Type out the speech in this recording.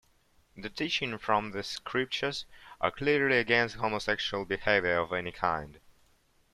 The teaching from the Scriptures are clearly against homosexual behavior of any kind.